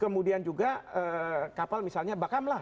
kemudian juga kapal misalnya bakamlah